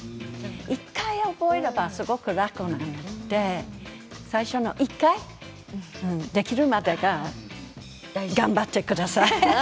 １回覚えればすごく楽なんで最初の１回できるまでが頑張ってください。